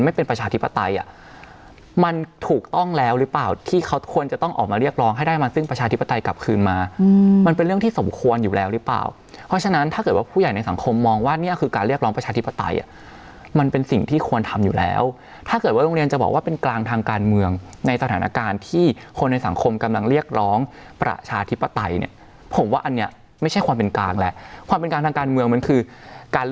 ไม่เป็นประชาธิปไตยมันถูกต้องแล้วหรือเปล่าที่เขาควรจะต้องออกมาเรียกร้องให้ได้มาซึ่งประชาธิปไตยกลับคืนมามันเป็นเรื่องที่สมควรอยู่แล้วหรือเปล่าเพราะฉะนั้นถ้าเกิดว่าผู้ใหญ่ในสังคมมองว่านี่คือการเรียกร้องประชาธิปไตยมันเป็นสิ่งที่ควรทำอยู่แล้วถ้าเกิดว่าโรงเรียนจะบอกว่าเป็นก